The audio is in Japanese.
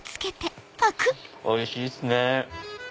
おいしいっすね！